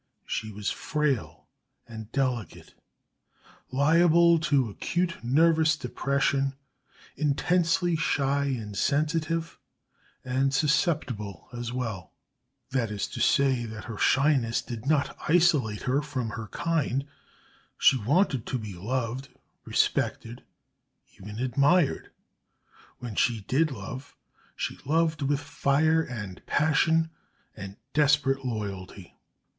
She was frail and delicate, liable to acute nervous depression, intensely shy and sensitive, and susceptible as well; that is to say that her shyness did not isolate her from her kind; she wanted to be loved, respected, even admired. When she did love, she loved with fire and passion and desperate loyalty.